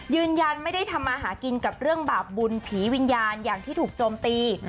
ยืนยันไม่ได้ทำมาหากินกับเรื่องบาปบุญผีวิญญาณอย่างที่ถูกโจมตี